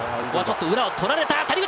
裏を取られた谷口。